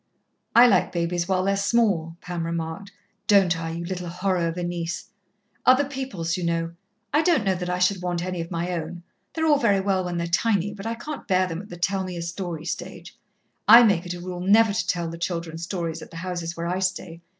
"I like babies while they're small," Pam remarked. "Don't I, you little horror of a niece? Other people's, you know. I don't know that I should want any of my own they're all very well when they're tiny, but I can't bear them at the tell me a story stage. I make it a rule never to tell the children stories at the houses where I stay.